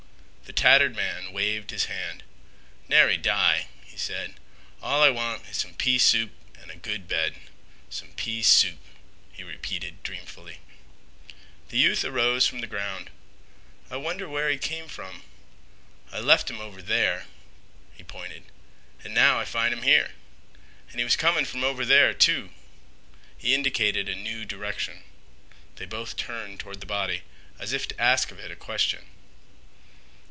The tattered man waved his hand. "Nary die," he said. "All I want is some pea soup an' a good bed. Some pea soup," he repeated dreamfully. The youth arose from the ground. "I wonder where he came from. I left him over there." He pointed. "And now I find 'im here. And he was coming from over there, too." He indicated a new direction. They both turned toward the body as if to ask of it a question.